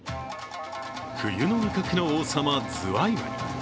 冬の味覚の王様・ズワイガニ。